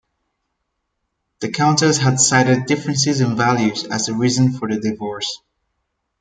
The Countess had cited differences in values as the reason for the divorce.